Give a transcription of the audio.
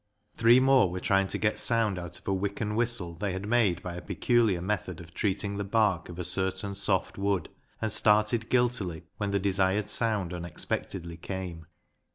Three more were trying to get sound out of a wicken whistle they had made by a peculiar method of treating the bark of a certain soft wood, and started guiltily when the desired sound unexpectedly came.